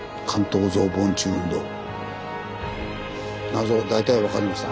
謎は大体分かりました。